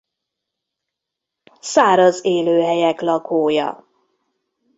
Száraz élőhelyek lakója.